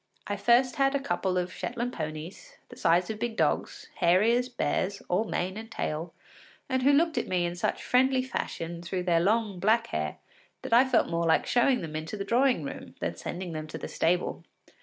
I first had a couple of Shetland ponies, the size of big dogs, hairy as bears, all mane and tail, and who looked at me in such friendly fashion through their long black hair that I felt more like showing them into the drawing room than sending them to the stable.